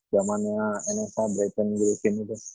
jamannya nsa brecane griffin